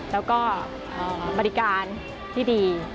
แล้วก็บริการที่ดี